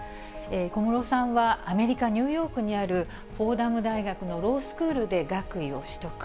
小室さんはアメリカ・ニューヨークにある、フォーダム大学のロースクールで学位を取得。